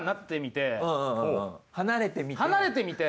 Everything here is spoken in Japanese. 離れてみて？